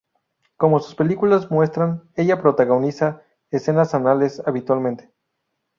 Como sus películas muestran, ella protagoniza escenas anales habitualmente.